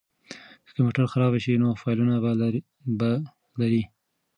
که کمپیوټر خراب شي نو فایلونه به لرئ.